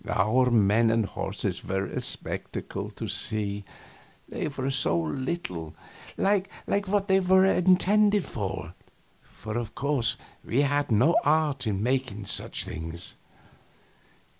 Our men and horses were a spectacle to see, they were so little like what they were intended for; for, of course, we had no art in making such things.